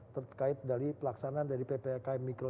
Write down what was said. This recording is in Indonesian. terkait dari pelaksanaan dari ppkm mikro